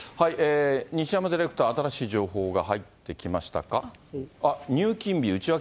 西山ディレクター、新しい情報が入ってきましたか。